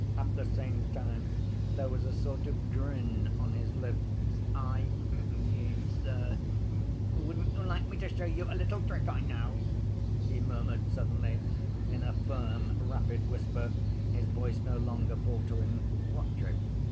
At the same time there was a sort of grin on his lips. "I ... you, sir ... wouldn't you like me to show you a little trick I know?" he murmured, suddenly, in a firm rapid whisper, his voice no longer faltering. "What trick?"